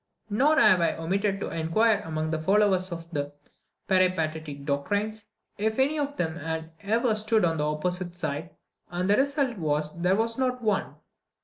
Nor have I omitted to inquire among the followers of the Peripatetic doctrines, if any of them had ever stood on the opposite side; and the result was, that there was not one.